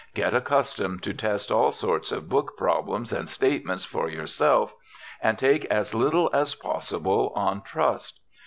Get accustomed to test all sorts of book problems and statements for yourself, and take as little as possible on trust.